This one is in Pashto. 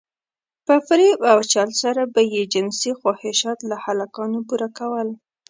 په فريب او چل سره به يې جنسي خواهشات له هلکانو پوره کول.